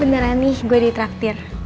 beneran nih gue ditraktir